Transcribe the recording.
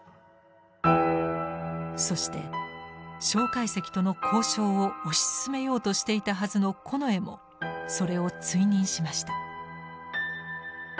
そして介石との交渉を推し進めようとしていたはずの近衛もそれを追認しました。